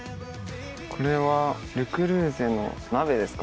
これはル・クルーゼの鍋ですかね。